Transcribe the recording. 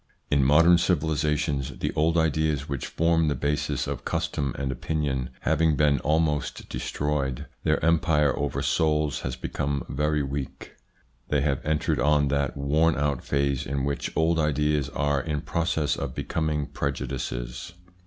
In modern civilisations, the old ideas which form the basis of custom and opinion having been almost destroyed, their empire over souls has become very weak. They have entered on that worn out phase in which old ideas are in process of becoming pre judices.